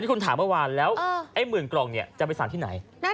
คุณถามเมื่อวานแล้วไอ้หมื่นกล่องเนี่ยจะไปสั่งที่ไหน